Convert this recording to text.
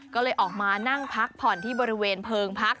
ก็เลยออกมานั่งพักผ่อนที่บริเวณเพลิงพัก